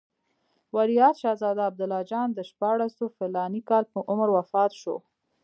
ولیعهد شهزاده عبدالله جان د شپاړسو فلاني کالو په عمر وفات شو.